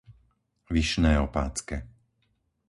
Vyšné Opátske